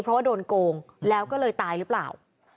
เพราะว่าโดนโกงแล้วก็เลยตายหรือเปล่า